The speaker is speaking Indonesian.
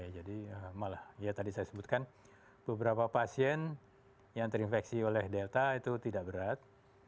jadi malah ya tadi saya sebutkan beberapa pasien yang terinfeksi oleh delta itu tidak berat